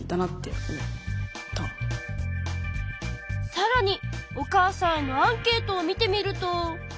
さらにお母さんへのアンケートを見てみると。